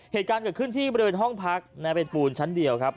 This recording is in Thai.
เหตุการณ์เกิดขึ้นที่บริเวณห้องพักเป็นปูนชั้นเดียวครับ